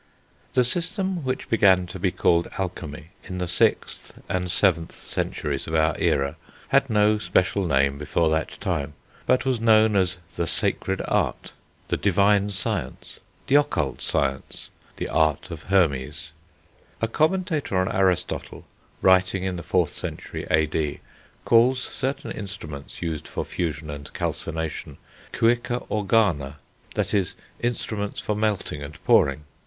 The system which began to be called alchemy in the 6th and 7th centuries of our era had no special name before that time, but was known as the sacred art, the divine science, the occult science, the art of Hermes. A commentator on Aristotle, writing in the 4th century A.D., calls certain instruments used for fusion and calcination "chuika organa," that is, instruments for melting and pouring.